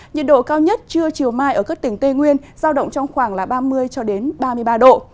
nhiệt độ cao nhất trưa chiều mai ở các tỉnh tây nguyên giao động trong khoảng ba mươi ba mươi ba độ